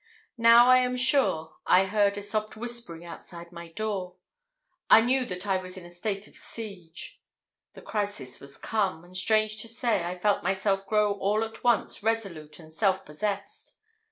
Now, I am sure, I heard a soft whispering outside my door. I knew that I was in a state of siege! The crisis was come, and strange to say, I felt myself grow all at once resolute and self possessed.